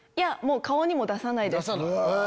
もう顔にも出さないです。